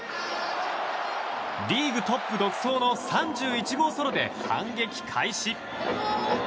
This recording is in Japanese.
リーグトップ独走の３１号ソロで反撃開始。